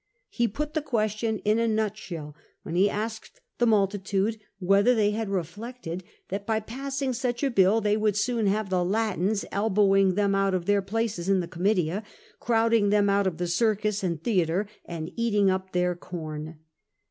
He put the question in a nutshell when he asked the multi tude whether they had reflected that by passing such a bill they would soon have the Latins elbowing them out of their places in the Oomitia, crowding them out of the circus and theatre, and eating up their corn.